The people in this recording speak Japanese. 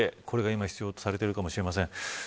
これが今、必要とされているかもしれません。